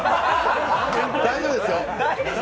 大丈夫ですよ。